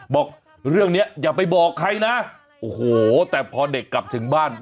บอกเรื่องเนี้ยอย่าไปบอกใครนะโอ้โหแต่พอเด็กกลับถึงบ้าน